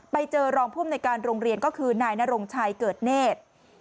ไปเจอรองภูมิในการโรงเรียนก็คือนายนรงชัยเกิดเนธ